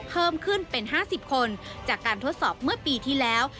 เพิ่มขึ้นเป็น๕๐คนจากการทดสอบเมื่อปีที่แล้ว